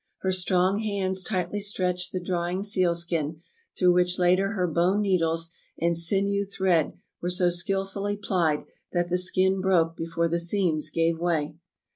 Her strong hands tightly stretched the drying seal skin, through which later her bone needles and sinew thread were so skilfully plied that the skin broke before the seams gave way.